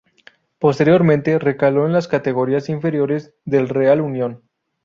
Posteriormente recaló en las categorías inferiores del Real Unión.